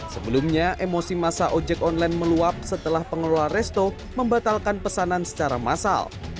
sebelumnya emosi masa ojek online meluap setelah pengelola resto membatalkan pesanan secara massal